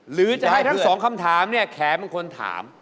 หรือจะให้ทั้งสองคำถามเนี่ยแขเป็นคนถาม